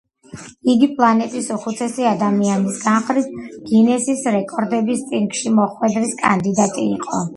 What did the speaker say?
იგი პლანეტის უხუცესი ადამიანის განხრით გინესის რეკორდების წიგნში მოხვედრის კანდიდატი იყო.